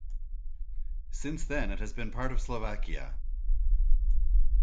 Since then it has been part of Slovakia.